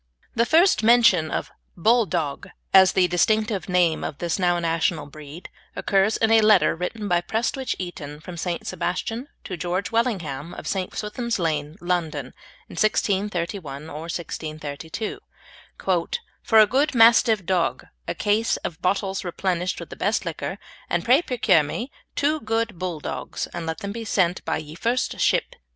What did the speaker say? The first mention of "Bulldog" as the distinctive name of this now national breed occurs in a letter, written by Prestwich Eaton from St. Sebastian to George Wellingham in St. Swithin's Lane, London, in 1631 or 1632, "for a good Mastive dogge, a case of bottles replenished with the best lickour, and pray proceur mee two good bulldoggs, and let them be sent by ye first shipp."